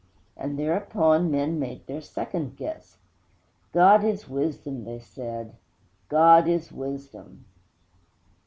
And thereupon men made their second guess. 'God is Wisdom,' they said, '_God is Wisdom!